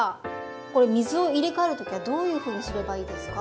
これ水を入れ替える時はどういうふうにすればいいですか？